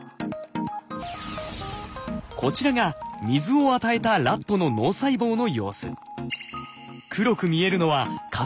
こちらが水を与えたラットの脳細胞の様子。